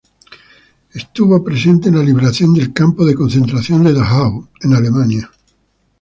Él estuvo presente en la liberación del campo de concentración de Dachau, en Alemania.